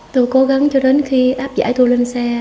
tôi cố gắng cho đến khi áp giải thu lên xe